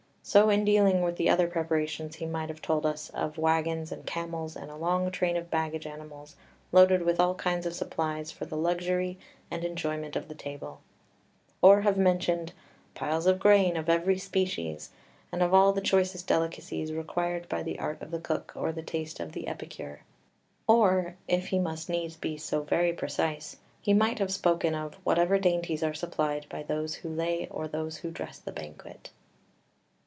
So in dealing with the other preparations he might have told us of "waggons and camels and a long train of baggage animals loaded with all kinds of supplies for the luxury and enjoyment of the table," or have mentioned "piles of grain of every species, and of all the choicest delicacies required by the art of the cook or the taste of the epicure," or (if he must needs be so very precise) he might have spoken of "whatever dainties are supplied by those who lay or those who dress the banquet."